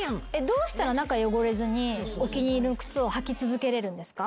どうしたら中汚れずにお気に入りの靴を履き続けれるんですか？